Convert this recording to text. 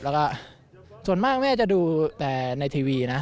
แล้วก็ส่วนมากแม่จะดูแต่ในทีวีนะ